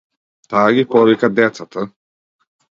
Таа ги повика децата.